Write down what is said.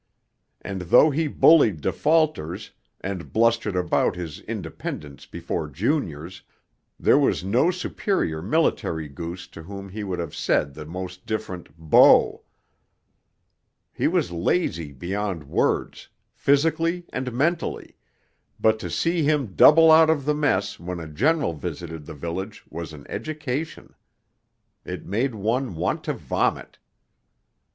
And though he bullied defaulters, and blustered about his independence before juniors, there was no superior military goose to whom he would have said the most diffident 'Bo.' He was lazy beyond words, physically and mentally, but to see him double out of the mess when a general visited the village was an education. It made one want to vomit....